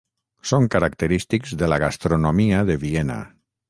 Són característics de la gastronomia de Viena.